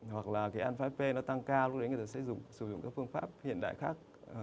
hoặc là cái an năm p nó tăng cao lúc đấy người ta sẽ sử dụng các phương pháp hiện đại khác